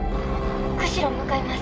釧路向かいます。